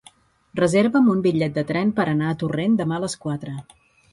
Reserva'm un bitllet de tren per anar a Torrent demà a les quatre.